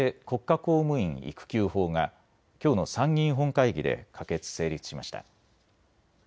国家公務員育休法がきょうの参議院本会議で可決・成立しました。